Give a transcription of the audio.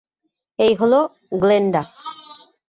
এই হলো গ্লেন্ডা।